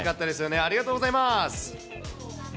ありがとうございます。